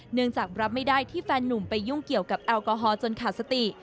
เนื่องจากรับไม่ได้ที่แฟนนุ่มไปยุ่งเกี่ยวกับแอลกอฮอลจนขาดสติ